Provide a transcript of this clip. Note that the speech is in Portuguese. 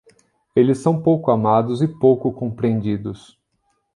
Eles são pouco amados e pouco compreendidos.